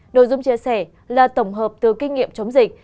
nội dung chia sẻ là tổng hợp từ kinh nghiệm chống dịch